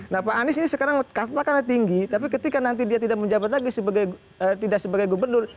nah pak anies ini sekarang katakanlah tinggi tapi ketika nanti dia tidak menjabat lagi tidak sebagai gubernur